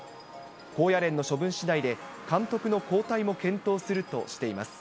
高野連の処分しだいで、監督の交代も検討するとしています。